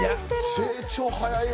成長、早いわ。